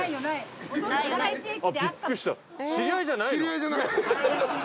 知り合いじゃない。